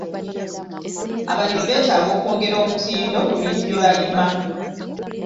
Abalimi beetaaga okwongera omutindo ku bintu bye balima.